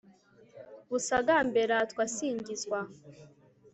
busagambe, ratwa singizwa